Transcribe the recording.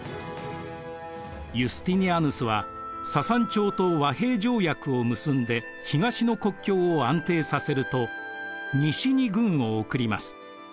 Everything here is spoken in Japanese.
ユスティニアヌスはササン朝と和平条約を結んで東の国境を安定させると西に軍を送ります。